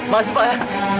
makasih pak ya